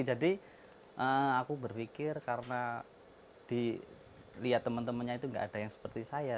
jadi aku berpikir karena dilihat teman temannya itu nggak ada yang seperti saya